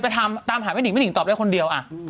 ไปตามหาไม่ได้หนิ่งตอบได้คนเดียว